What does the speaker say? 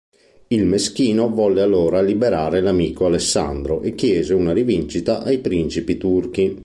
Il Meschino volle allora liberare l'amico Alessandro e chiese una rivincita ai principi turchi.